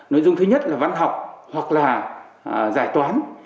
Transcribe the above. nội dung thứ nhất là văn học hoặc là giải toán